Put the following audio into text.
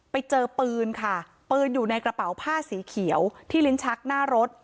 ไปเจอปืนค่ะปืนอยู่ในกระเป๋าผ้าสีเขียวที่ลิ้นชักหน้ารถ